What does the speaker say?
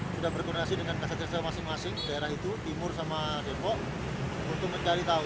sudah berkoordinasi dengan kasat kerja masing masing daerah itu timur sama depok untuk mencari tahu